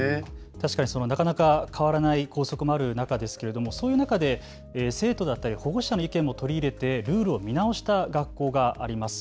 確かに、なかなか変わらない校則もある中で生徒や保護者の意見も取り入れてルールを見直した学校があります。